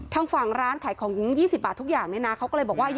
ทั้งฝั่งร้านขายของ๒๐บาททุกอย่างเขาก็เลยบอกว่ายาย